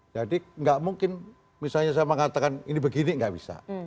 jadi gak mungkin misalnya saya mengatakan ini begini gak bisa